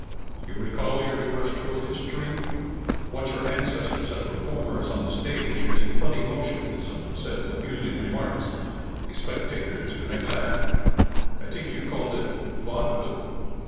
"You recall your terrestrial history? Once your ancestors had performers on the stage who did funny motions and said amusing remarks, de spectators to make laugh. I t'ink you called it 'vaudeville.'